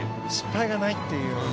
失敗がないという。